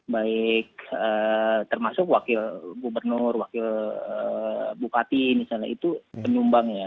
baik termasuk wakil gubernur wakil bupati misalnya itu penyumbang ya